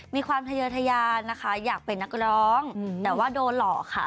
มีความทะเยอทยานะคะอยากเป็นนักร้องแต่ว่าโดนหลอกค่ะ